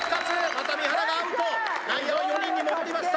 また三原がアウト内野は４人に戻りました